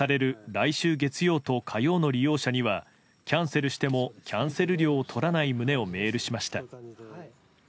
来週月曜と火曜の利用者にはキャンセルしてもキャンセル料をとらない旨をメールしました。